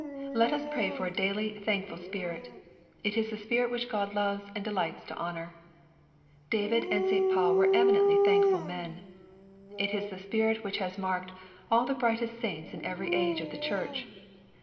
Let us pray for a daily thankful spirit. It is the spirit which God loves and delights to honor. David and St. Paul were eminently thankful men. — It is the spirit which has marked all the brightest saints in every age of the church.